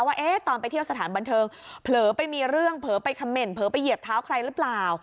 ว่าตอนไปเที่ยวสถานบันเทิงเผลอไปมีเรื่องเผลอไปคำเหน่นเผลอไปเหยียบเท้าใครหรือเปล่า